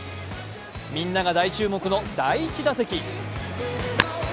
みんなが大注目の第１打席。